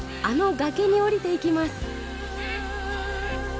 あのがけに下りていきます。